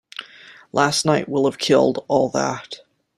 Last night will have killed all that.